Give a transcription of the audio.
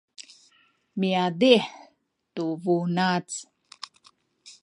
miazih tu bunac